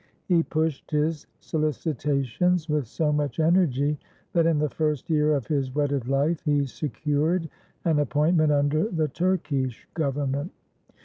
He pushed his solicitations with so much energy that, in the first year of his wedded life, he secured an appointment under the Turkish Government.